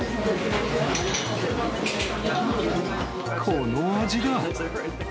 この味だ。